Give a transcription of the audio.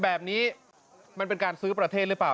แบบนี้มันเป็นการซื้อประเทศหรือเปล่า